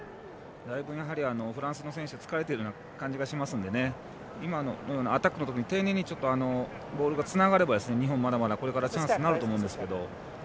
フランスの選手だいぶ疲れている感じがするので今のようなアタックのとき丁寧にボールがつながれば日本、まだまだこれからチャンスになると思うんですが。